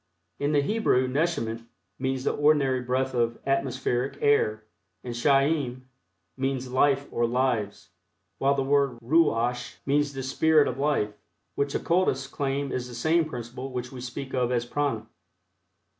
In the Hebrew neshemet means the ordinary breath of atmospheric air, and chayim means life or lives, while the word ruach means the "spirit of life," which occultists claim is the same principle which we speak of as Prana.